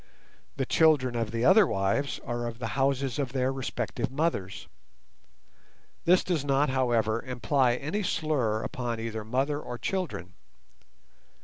The children of the other wives are of the houses of their respective mothers. This does not, however, imply any slur upon either mother or children.